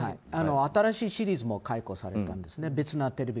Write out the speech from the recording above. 新しいシリーズも解雇されたんですね。